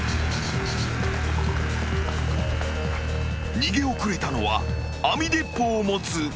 ［逃げ遅れたのは網鉄砲を持つ